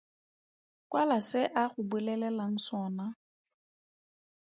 Kwala se a go bolelelang sona.